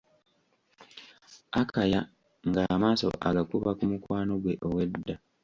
Akaya nga amaaso agakuba ku mukwano ggwe ow'edda.